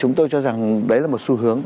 chúng tôi cho rằng đấy là một xu hướng